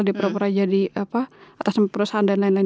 di perusahaan dan lain lain